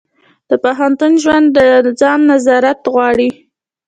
د پوهنتون ژوند د ځان نظارت غواړي.